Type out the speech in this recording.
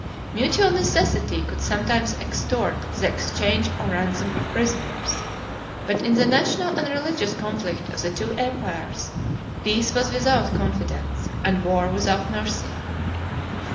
Mutual necessity could sometimes extort the exchange or ransom of prisoners: 94 but in the national and religious conflict of the two empires, peace was without confidence, and war without mercy.